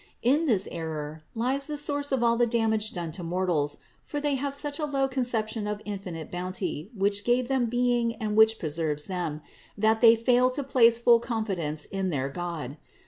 In this error lies the source of all the damage done to mortals ; for they have such a low con ception of the infinite bounty, which gave them being and which preserves them, that they fail to place full confi dence in their God.